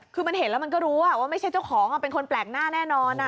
คือมันเห็นแล้วมันก็รู้ว่าไม่ใช่เจ้าของเป็นคนแปลกหน้าแน่นอน